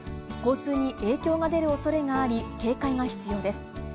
交通に影響が出る恐れがあり警戒が必要です。